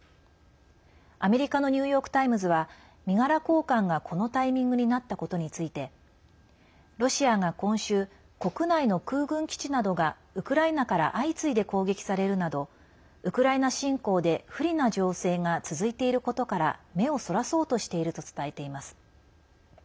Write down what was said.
アメリカのニューヨーク・タイムズは身柄交換が、このタイミングになったことについてロシアが今週国内の空軍基地などがウクライナから相次いで攻撃されるなどウクライナ侵攻で不利な情勢が続いていることから目をそらそうとしていると伝えています。